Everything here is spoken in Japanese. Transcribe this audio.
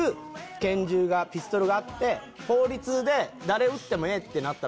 「拳銃がピストルがあって」「法律で誰撃ってもええってなったら」